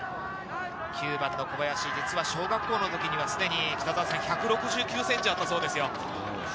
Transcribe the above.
９番の小林、実は小学校の時にはすでに１６９ｃｍあったそうです。